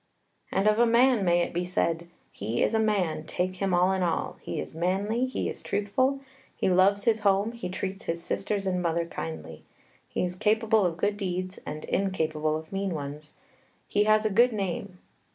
And of a man may it be said, "He is a man, take him all in all; he is manly, he is truthful; he loves his home; he treats his sisters and mother kindly. He is capable of good deeds, and incapable of mean ones. He has a good name."